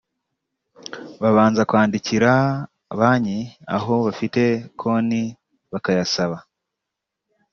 babanza kwandikira banki aho bafite konti bakayasaba